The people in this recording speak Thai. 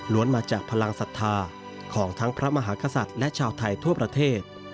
มาจากพลังศรัทธาของทั้งพระมหากษัตริย์และชาวไทยทั่วประเทศ